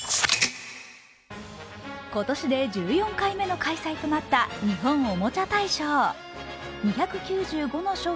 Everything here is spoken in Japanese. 今年で１４回目の開催となった日本おもちゃ大賞。